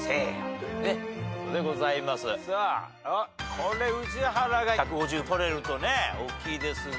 これ宇治原が１５０取れるとねおっきいですが。